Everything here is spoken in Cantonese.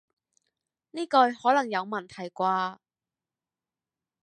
呢句可能有問題啩